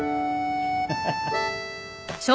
ハハハ。